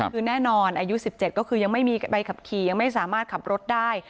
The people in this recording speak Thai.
คือแน่นอนอายุ๑๗ก็คือยังไม่มีใบขับขี่ยังไม่สามารถขับรถได้